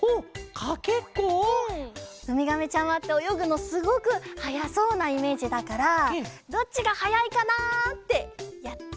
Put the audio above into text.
ウミガメちゃまっておよぐのすごくはやそうなイメージだからどっちがはやいかなってやりたいかな。